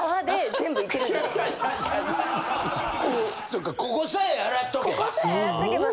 そうかここさえ洗っとけば。